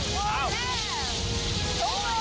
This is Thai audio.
โกยแล้วโกยแล้ว